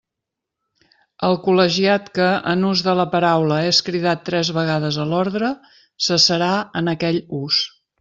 El col·legiat que, en ús de la paraula, és cridat tres vegades a l'ordre, cessarà en aquell ús.